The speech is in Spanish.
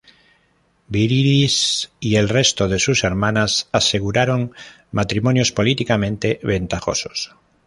Viridis y el resto de sus hermanas aseguraron matrimonios políticamente ventajosos.